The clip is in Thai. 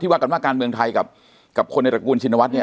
ว่ากันว่าการเมืองไทยกับคนในตระกูลชินวัฒน์เนี่ย